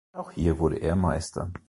Auch hier wurde er Meister.